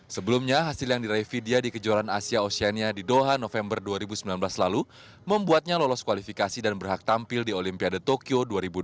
sebelumnya hasil yang diraih vidya di kejuaraan asia oceania di doha november dua ribu sembilan belas lalu membuatnya lolos kualifikasi dan berhak tampil di olimpiade tokyo dua ribu dua puluh